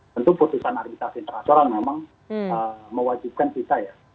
tentu putusan arbitrasi terasoral memang mewajibkan kita ya